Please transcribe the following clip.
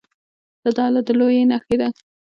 دا د الله د لویۍ نښې دي.